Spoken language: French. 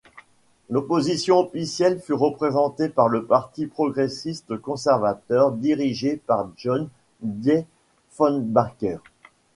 L'Opposition officielle fut représentée par le Parti progressiste-conservateur dirigé par John Diefenbaker.